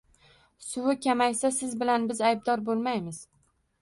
Suvi kamaysa, siz bilan biz aybdor bo‘lmaymiz.